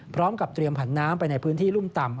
พร้อมกับเตรียมผันน้ำไปในพื้นที่รุ่มต่ำ